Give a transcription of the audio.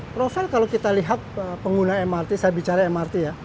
profil kalau kita lihat pengguna mrt saya bicara mrt ya